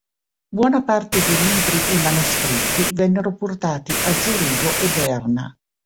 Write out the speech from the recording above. Buona parte di libri e manoscritti vennero portati a Zurigo e Berna.